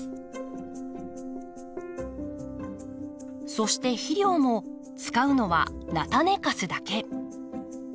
そして肥料も使うのは菜種かすだけ。